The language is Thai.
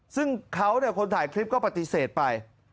ซึ่งเขาคนถ่ายคลิปก็ปฏิเสธไป